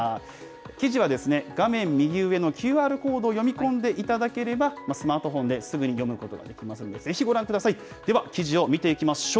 記事は画面右上のＱＲコードを読み込んでいただければ、スマートフォンですぐに読むことができますのでぜひご覧ください。では記事を見ていきましょう。